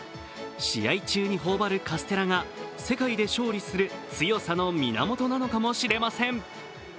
試合中に頬張るカステラが世界で勝利する強さの源なのかもしれません。